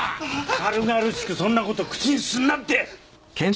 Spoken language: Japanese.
軽々しくそんな事口にすんなって！